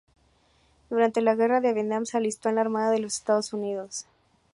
Durante la guerra de Vietnam, se alistó en la Armada de los Estados Unidos.